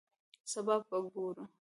سبا به ګورو